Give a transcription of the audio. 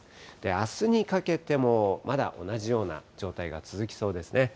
あすにかけても、まだ同じような状態が続きそうですね。